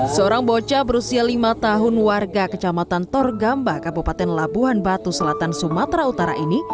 seorang bocah berusia lima tahun warga kecamatan torgamba kabupaten labuhan batu selatan sumatera utara ini